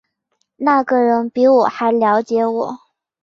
那个人比我还瞭解我